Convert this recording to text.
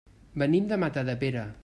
Venim de Matadepera.